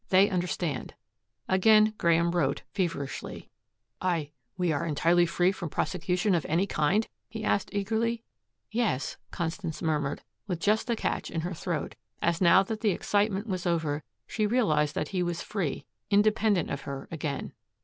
They understand." Again Graeme wrote, feverishly. "I we are entirely free from prosecution of any kind?" he asked eagerly. "Yes," Constance murmured, with just a catch in her throat, as now that the excitement was over, she realized that he was free, independent of her again.